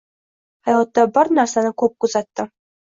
Hayotda bir narsani ko‘p kuzatdim: